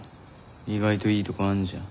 意外といいとこあんじゃん。